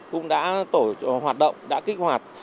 cũng đã hoạt động đã kích hoạt